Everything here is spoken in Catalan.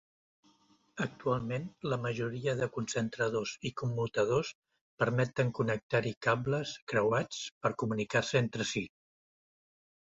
Actualment la majoria de concentradors i commutadors permeten connectar-hi cables creuats per comunicar-se entre si.